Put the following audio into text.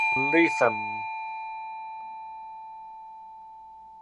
Letham.